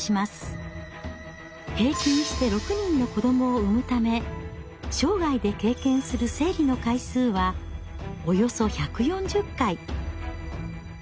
平均して６人の子どもを産むため生涯で経験する生理の回数はおよそ１４０回。